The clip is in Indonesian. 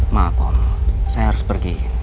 maaf om saya harus pergi